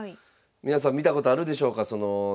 皆さん見たことあるでしょうか大会で。